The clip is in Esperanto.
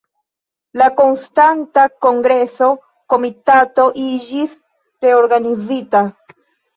La Konstanta Kongresa Komitato iĝis reorganizita.